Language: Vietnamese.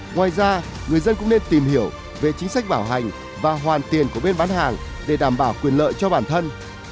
ngoài ra người dân cũng nên tìm hiểu về chính sách bảo hành và hoàn tiền của bên bán hàng để đảm bảo quyền lợi cho bản thân